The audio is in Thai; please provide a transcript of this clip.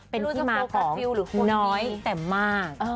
เป็นที่มาของน้อยแต่มาก